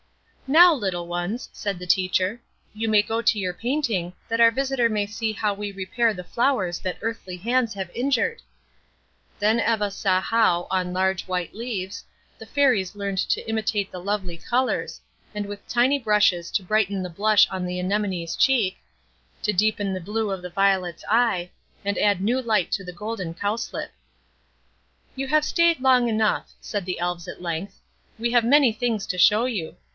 "Now, little ones," said the teacher, "you may go to your painting, that our visitor may see how we repair the flowers that earthly hands have injured." Then Eva saw how, on large, white leaves, the Fairies learned to imitate the lovely colors, and with tiny brushes to brighten the blush on the anemone's cheek, to deepen the blue of the violet's eye, and add new light to the golden cowslip. "You have stayed long enough," said the Elves at length, "we have many things to show you.